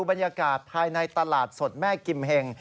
บรรยากาศภายในตลาดสดแม่กิมเห็ง